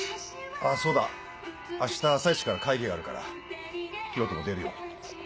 あそうだ明日朝イチから会議があるから広翔も出るように。